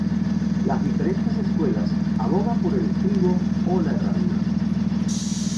Las diferentes escuelas abogan por el estribo o la herradura.